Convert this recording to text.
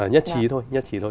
nhất trí thôi